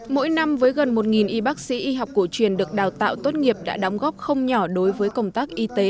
mỗi năm với gần một y bác sĩ y học cổ truyền được đào tạo tốt nghiệp đã đóng góp không nhỏ đối với công tác y tế